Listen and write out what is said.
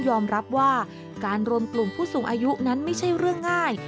รับว่าการรวมกลุ่มผู้สูงอายุนั้นไม่ใช่เรื่องง่าย